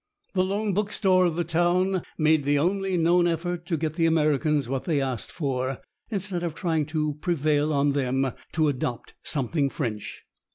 The lone bookstore of the town made the only known effort to get the Americans what they asked for, instead of trying to prevail on them to adopt something French.